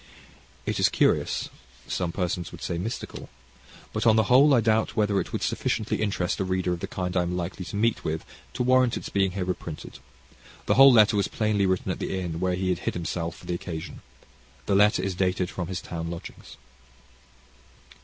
It is curious some persons would say mystical. But, on the whole, I doubt whether it would sufficiently interest a reader of the kind I am likely to meet with, to warrant its being here reprinted. The whole letter was plainly written at the inn where he had hid himself for the occasion. The next letter is dated from his town lodgings.)